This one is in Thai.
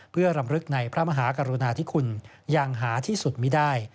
เพื่อรำลึกในพระมหากรุณาธิคุณอย่างหาที่สุดไม่ได้